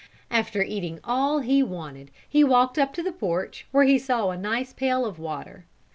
After eating all he wanted he walked up to the porch where he saw a nice pail of water.